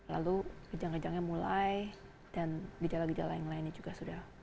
lalu gejang gejangnya mulai dan gijalah gijalah yang lainnya juga sudah mulai